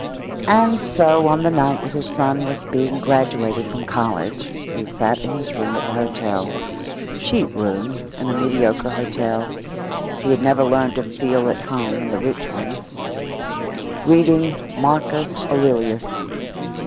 And so on the night that his son was being graduated from college he sat in his room at the hotel cheap room in a mediocre hotel; he had never learned to feel at home in the rich ones reading Marcus Aurelius.